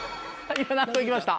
今何個いきました？